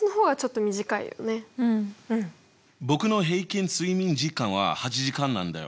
僕の平均睡眠時間は８時間なんだよ。